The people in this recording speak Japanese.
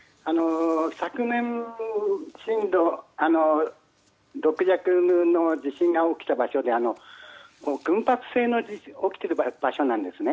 昨年、震度６弱の地震が起きた場所で群発性の起きている場所なんですね。